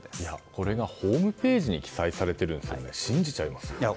これがホームページに記載されていたら信じちゃいますよね。